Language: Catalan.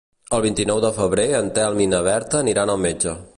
El vint-i-nou de febrer en Telm i na Berta aniran al metge.